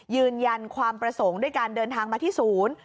ยืนยันความประสงค์ด้วยการเดินทางมาที่ศูนย์